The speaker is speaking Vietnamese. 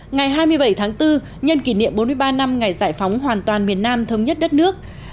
ngày hai mươi bảy tháng bốn nhân kỷ niệm bốn mươi ba năm ngày giải phóng hoàn toàn miền nam thống nhất đất nước